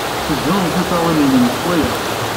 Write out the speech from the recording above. Ssezhu tiṭṭawin-nnem s waya.